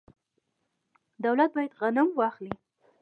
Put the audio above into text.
دولت باید غنم واخلي.